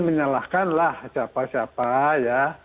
menyalahkanlah siapa siapa ya